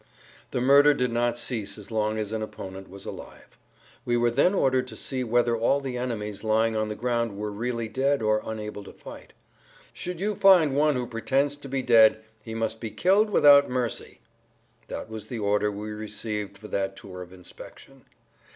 The murder did not cease as long as an opponent was alive. We were then ordered to see whether all the enemies lying on the ground were really dead or unable to fight. "Should you find one who pretends to be dead, he must be killed without mercy." That was the order we received for that tour of inspection.